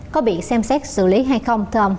có bị xem xét xử lý hay không